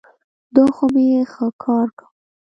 دا خو مي ښه کار کاوه.